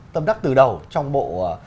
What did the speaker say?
tâm đắc từ đầu trong bộ